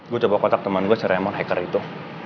gue coba kotak temen gue si raymond hacker itu